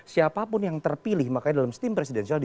siapapun yang terpilih makanya dalam steam presidensial di sini